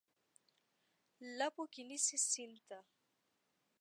لپو کې نیسي سیند ته،